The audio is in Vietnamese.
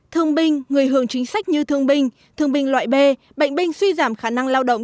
thương binh người hưởng chính sách như thương binh thương binh loại b bệnh binh suy giảm khả năng lao động